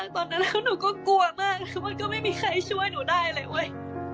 ตอนนั้นแล้วหนูก็กลัวมากคือมันก็ไม่มีใครช่วยหนูได้เลยเว้ย